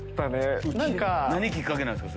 何きっかけなんすか？